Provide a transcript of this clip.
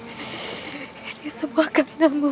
ini semua karena mu